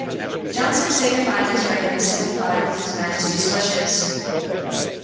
Johnson signified his readiness to comply with his Majesty's wishes.